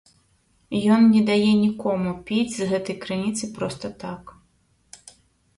Ён не дае нікому піць з гэтай крыніцы проста так.